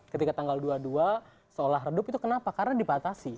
ketika tanggal dua puluh dua seolah redup itu kenapa karena dipatasi